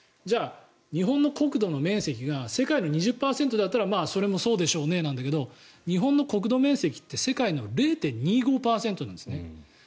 日本の国土の面積が世界の２０％だったらそれもそうでしょうけど日本の国土面積って世界の０．２５％なんですね。